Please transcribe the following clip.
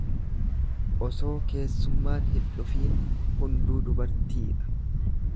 Osoo keessummaan hin dhufiin hunduu dubartiidha.